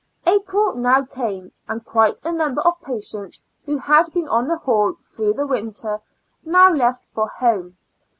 April now came, and quite a number of patients, who had been on the hall through the winter, now left for home.